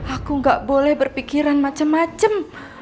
aku gak boleh berpikiran macem macem